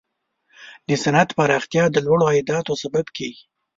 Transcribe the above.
د صنعت پراختیا د لوړو عایداتو سبب کیږي.